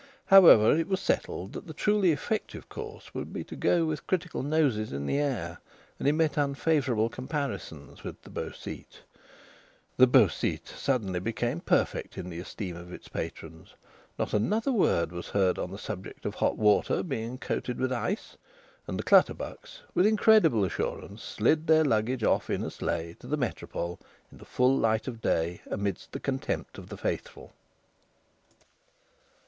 However, it was settled that the truly effective course would be to go with critical noses in the air, and emit unfavourable comparisons with the Beau Site. The Beau Site suddenly became perfect in the esteem of its patrons. Not another word was heard on the subject of hot water being coated with ice. And the Clutterbucks, with incredible assurance, slid their luggage off in a sleigh to the Métropole, in the full light of day, amid the contempt of the faithful.